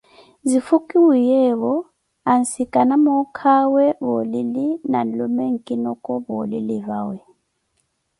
Zifukuwiyeewo, ansikana muukawe va oulili na nlume nkinoko va olili vawe.